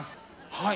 はい。